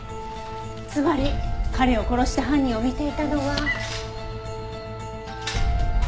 つまり彼を殺した犯人を見ていたのは。